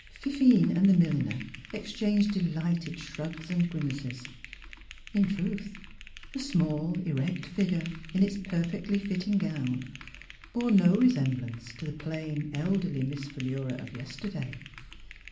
Fifine and the milliner ex changed delighted shrugs and grimaces. In truth, the small, 36 Miss Philura erect figure, in its perfectly fit ting gown, bore no resem blance to the plain, elderly Miss Philura of yesterday.